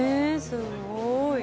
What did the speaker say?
すごい。